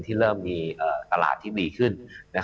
ที่เริ่มมีตลาดที่ดีขึ้น